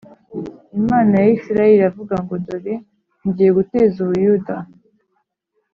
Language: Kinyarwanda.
imanaya Isirayeli iravuga ngo Dore ngiye guteza u Buyuda